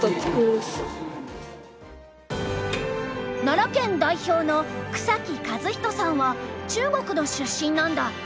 奈良県代表の草木和仁さんは中国の出身なんだ。